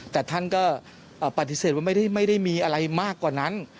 แต่ท่านก็ปฏิเสธว่าไม่ได้มีอะไรมากกว่านั้น